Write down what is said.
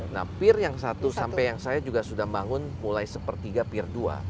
nah peer yang satu sampai yang saya juga sudah bangun mulai sepertiga peer dua